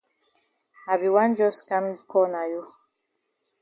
I be wan jus kam call na you.